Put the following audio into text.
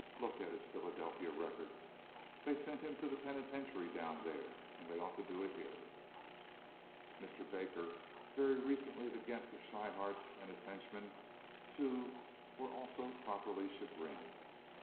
Look at his Philadelphia record. They sent him to the penitentiary down there, and they ought to do it here." Mr. Baker, very recently the guest of Schryhart, and his henchman, too, was also properly chagrined.